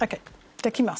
できます。